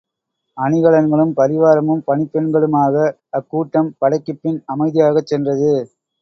அணிகலன்களும் பரிவாரமும் பணிப் பெண்களுமாக அக் கூட்டம் படைக்குப்பின் அமைதியாகச் சென்றது.